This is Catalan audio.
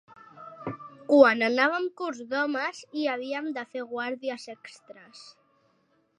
Quan anàvem curts d'homes i havíem de fer guàrdies extres;